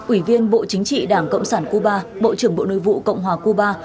ủy viên bộ chính trị đảng cộng sản cuba bộ trưởng bộ nội vụ cộng hòa cuba